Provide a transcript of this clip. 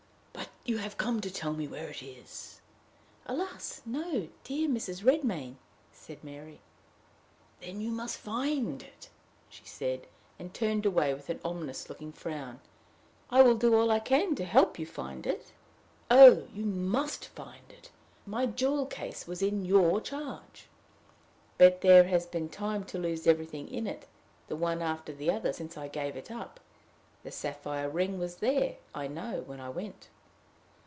"But you have come to tell me where it is?" "Alas! no, dear Mrs. Redmain!" said Mary. "Then you must find it," she said, and turned away with an ominous looking frown. "I will do all I can to help you find it." "Oh, you must find it! My jewel case was in your charge." "But there has been time to lose everything in it, the one after the other, since I gave it up. The sapphire ring was there, I know, when I went."